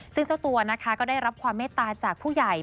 ซึ่งเจ้าตัวนะคะก็ได้รับความเมตตาจากผู้ใหญ่